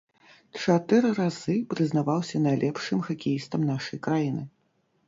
Чатыры разы прызнаваўся найлепшым хакеістам нашай краіны.